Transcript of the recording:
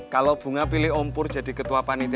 kalo bunga pilih om pur jadi ketua panitia tujuh belas an